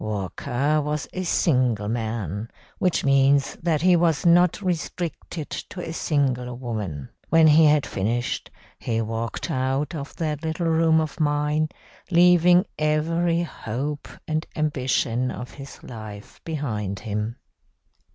Walker was a single man, which means that he was not restricted to a single woman. When he had finished, he walked out of that little room of mine, leaving every hope and ambition of his life behind him.